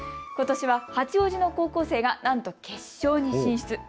ことしは八王子の高校生がなんと決勝に進出。